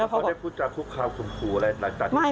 เขาได้พูดจาพุกข้าวคุณครูอะไรหลังจากนี้